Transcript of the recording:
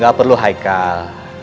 gak perlu haikal